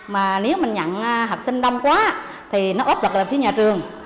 mà nếu mình nhận học sinh đông quá thì nó ốc lực ở phía nhà trường